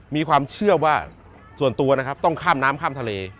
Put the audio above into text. มีความเชื่อว่าส่วนตัวนะครับต้องข้ามน้ำข้ามทะเล